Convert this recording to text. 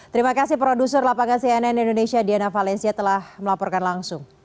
terima kasih produser lapangan cnn indonesia diana valencia telah melaporkan langsung